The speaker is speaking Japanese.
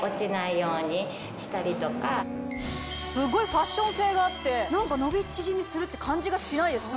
すっごいファッション性があって伸び縮みするって感じがしないです